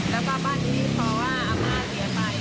แล้วก็บ้านนี้พอว่าอาม่าเสียไป